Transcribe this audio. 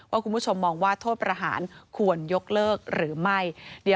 คุณผู้ชมมองว่าโทษประหารควรยกเลิกหรือไม่